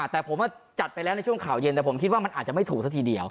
แต่ผมจัดไปแล้วในช่วงข่าวเย็นแต่ผมคิดว่ามันอาจจะไม่ถูกซะทีเดียว